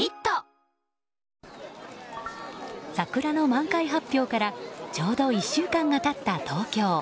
桜の満開発表からちょうど１週間が経った東京。